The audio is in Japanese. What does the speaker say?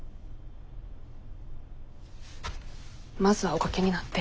まずはお掛けになって。